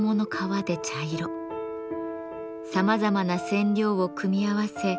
さまざまな染料を組み合わせ